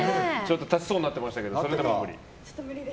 立ちそうになってましたけどそれでも無理？